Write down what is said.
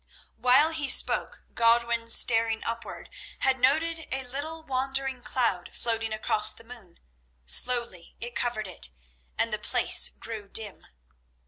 While he spoke Godwin, staring upward, had noted a little wandering cloud floating across the moon. Slowly it covered it, and the place grew dim.